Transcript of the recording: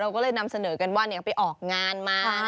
ก็เลยนำเสนอกันว่าไปออกงานมา